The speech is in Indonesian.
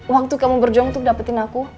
waktu kamu berjuang untuk dapetin aku